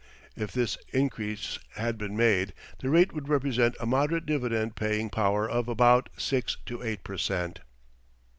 If this increase had been made, the rate would represent a moderate dividend paying power of about 6 to 8 per cent.